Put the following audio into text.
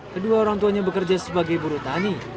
kedua orang tuanya bekerja sebagai buru tani